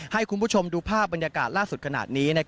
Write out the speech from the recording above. ให้คุณผู้ชมดูภาพบรรยากาศล่าสุดขนาดนี้